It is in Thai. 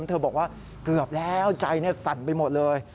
เธอบอกว่าเกือบแล้วใจสั่นไปหมดเลย